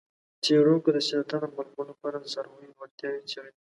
څیړونکو د سرطان د معلومولو لپاره د څارویو وړتیاوې څیړلې دي.